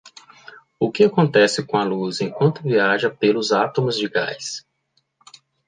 O que acontece com a luz enquanto viaja pelos átomos de gás?